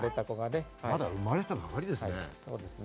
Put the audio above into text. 生まれたばかりですね。